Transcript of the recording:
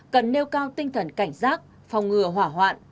cần nêu cao tinh thần cảnh giác phòng ngừa hỏa hoạn